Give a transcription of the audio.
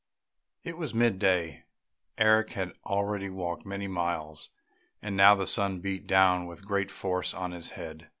It was mid day Eric had already walked many miles, and now the sun beat down with great force on his head.